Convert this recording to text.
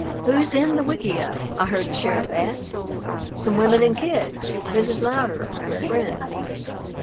"Who's in the wickiup?" I heard the sheriff ask. "Some women and kids, Mrs. Louderer and a friend."